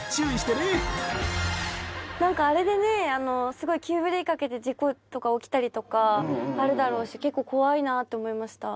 何かあれでねすごい急ブレーキかけて事故とか起きたりとかあるだろうし結構怖いなって思いました。